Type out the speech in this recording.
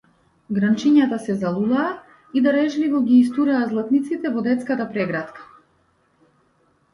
Гранчињата се залулаа и дарежливо ги истураа златниците во детската прегратка.